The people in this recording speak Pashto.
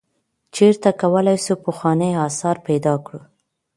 چیرته کولای سو پخوانی آثار پیدا کړو؟